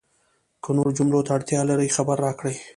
که نورو جملو ته اړتیا لرئ، خبر راکړئ!